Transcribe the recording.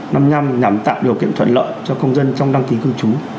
năm nhằm tạo điều kiện thuận lợi cho công dân trong đăng ký cư trú